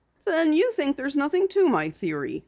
"Then you think there's nothing to my theory?"